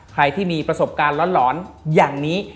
ใครที่มีประสบการณ์หลอนอย่างนี้